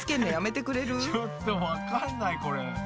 ちょっとわかんないこれ。